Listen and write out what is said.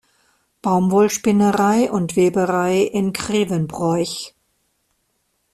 Baumwollspinnerei und -weberei" in Grevenbroich.